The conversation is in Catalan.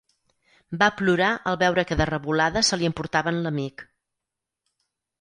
Va plorar al veure que de revolada se li emportaven l'amic